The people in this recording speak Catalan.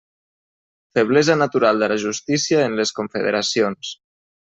Feblesa natural de la justícia en les confederacions.